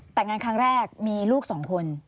แต่งงานครั้งแรกมีลูกสองคน